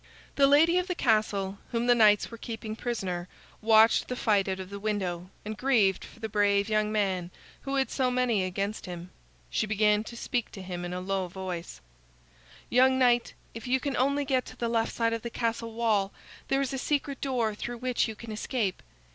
The lady of the castle, whom the knights were keeping prisoner, watched the fight out of the window, and grieved for the brave young man who had so many against him. She began to speak to him in a low voice: "Young knight, if you can only get to the left side of the castle wall, there is a secret door through which you can escape.